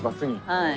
はい。